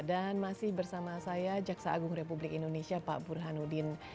dan masih bersama saya jaksa agung republik indonesia pak bur hanudin